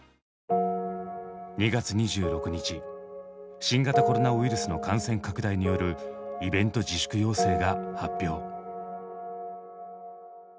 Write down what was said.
２月２６日新型コロナウイルスの感染拡大によるイベント自粛要請が発表。